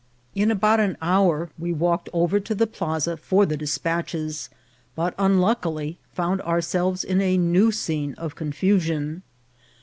In about an hour we walked over to the plaza for the despatches, but unluckily found ourselves in a new scene of confusion.